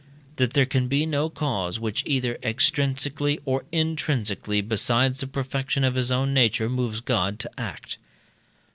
That there can be no cause which, either extrinsically or intrinsically, besides the perfection of his own nature, moves God to act.